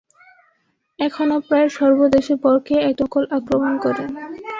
এখনও প্রায় সর্বদেশে বরকে একটা নকল আক্রমণ করে।